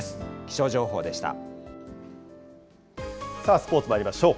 スポーツまいりましょう。